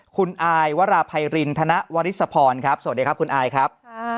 คุณอายวราไพรินธนวริสพรครับสวัสดีครับคุณอายครับ